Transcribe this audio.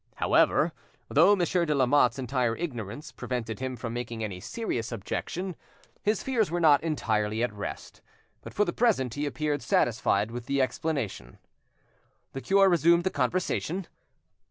However, though Monsieur de Lamotte's entire ignorance prevented him from making any serious objection, his fears were not entirely at rest, but for the present he appeared satisfied with the explanation. The cure resumed the conversation.